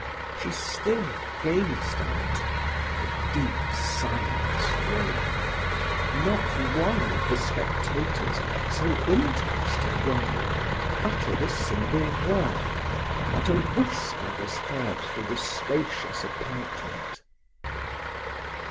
She still gazed on it a deep silence reigned not one of the spectators, so interested were they, uttered a single word not a whisper was heard through the spacious apartment.